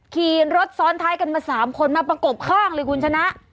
ขี่รถซ้อนท้ายกันมา๓คนมาประกบข้างเลยคุณชนะ